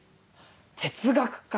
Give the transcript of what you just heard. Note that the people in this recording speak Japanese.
哲学か。